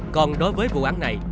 còn đối với vụ án này